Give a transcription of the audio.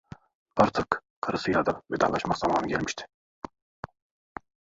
Artık karısıyla da vedalaşmak zamanı gelmişti.